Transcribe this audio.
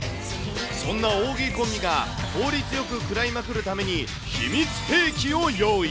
そんな大食いコンビが、効率よく喰らいまくるために、秘密兵器を用意。